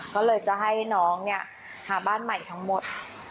ก็เลยจะให้น้องเนี่ยหาบ้านใหม่ทั้งหมด